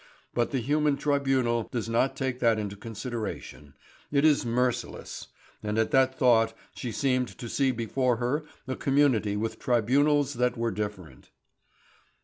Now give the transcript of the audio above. But the human tribunal does not take that into consideration; it is merciless;" and at that thought she seemed to see before her a community with tribunals that were different.